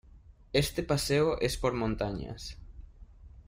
Este paseo es por montañas.